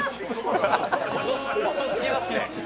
細すぎますね。